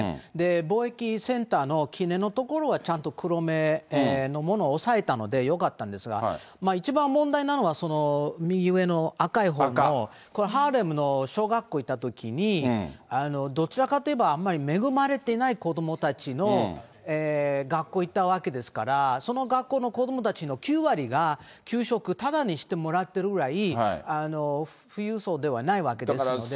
貿易センターの記念の所はちゃんと黒めのものを抑えたのでよかったんですが、一番問題なのは、その右上の赤いの、これハーレムの小学校に行ったときに、どちらかといえばあまり恵まれていない子どもたちの学校行ったわけですから、その学校の子どもたちの９割が、給食ただにしてもらってるくらい富裕層ではないわけですので。